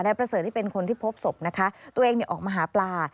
ประเสริฐที่เป็นคนที่พบศพนะคะตัวเองออกมาหาปลา